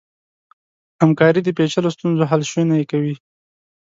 همکاري د پېچلو ستونزو حل شونی کوي.